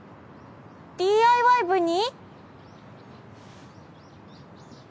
ＤＩＹ部に？